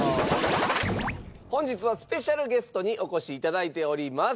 本日はスペシャルゲストにお越し頂いております。